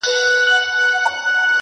په دې ښار کي په سلگونو یې خپلوان وه-